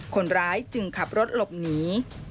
คนร้ายจึงขับรถหลบหนี